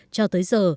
cho tới giờ